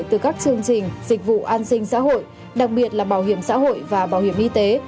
từ các chương trình dịch vụ an sinh xã hội đặc biệt là bảo hiểm xã hội và bảo hiểm y tế